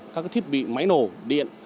các thiết bị máy nổ điện